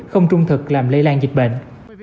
không trung thực làm lây lan dịch bệnh